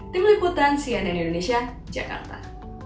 tim liputan cnn indonesia jakarta